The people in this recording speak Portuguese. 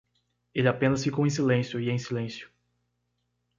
Ele apenas ficou em silêncio e em silêncio